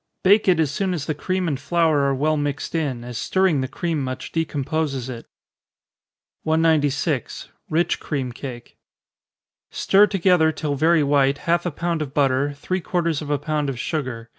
Bake it as soon as the cream and flour are well mixed in, as stirring the cream much decomposes it. 196. Rich Cream Cake. Stir together, till very white, half a pound of butter, three quarters of a pound of sugar.